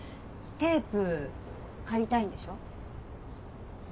テープ借りたいんでしょ？